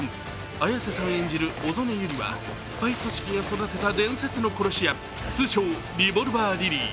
綾瀬さん演じる小曽根百合はスパイ組織が育てた伝説の殺し屋通称、リボルバー・リリー。